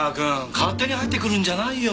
勝手に入ってくるんじゃないよ。